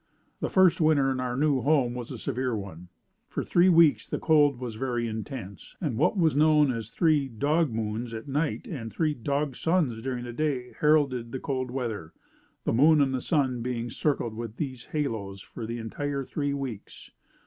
The first winter in our new home was a severe one. For three weeks the cold was very intense, and what was known as three "dog moons" at night and three "dog suns" during the day heralded the cold weather, the moon and sun being circled with these halos for the entire three weeks.